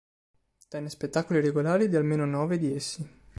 Tenne spettacoli regolari di almeno nove di essi.